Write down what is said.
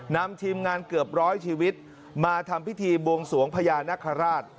นำทีมงานเกือบร้อยชีวิตมาทำพิธีบวงสวงพญานาคาราช